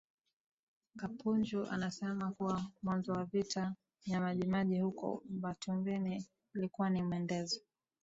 Kapunju anasema kuwa mwanzo wa Vita ya Majimaji huko Umatumbini ilikuwa ni mwendelezo